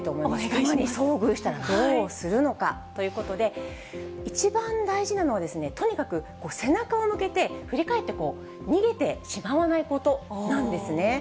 クマに遭遇したらどうするのかということで、一番大事なのはですね、とにかく背中を向けて、振り返って、こう、逃げてしまわないことなんですね。